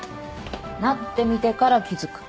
なってみてから気付く。